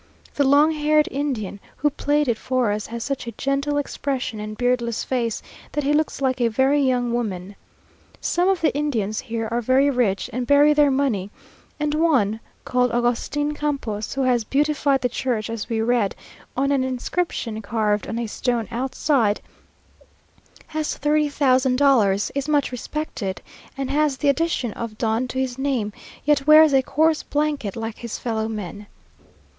The long haired Indian who played it for us has such a gentle expression and beardless face, that he looks like a very young woman. Some of the Indians here are very rich, and bury their money; and one, called Agustin Campos, who has beautified the church, as we read on an inscription carved on a stone outside, has thirty thousand dollars, is much respected, and has the addition of Don to his name, yet wears a coarse blanket like his fellow men.